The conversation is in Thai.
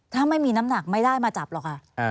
ถ้าไม่มีน้ำหนักไม่ได้มาจับหรอกค่ะ